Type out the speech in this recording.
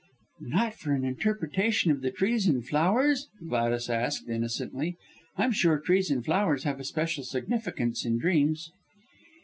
"Not for an interpretation of the trees and flowers?" Gladys asked innocently. "I'm sure trees and flowers have a special significance in dreams."